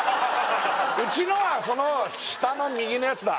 うちのはその下の右のやつだ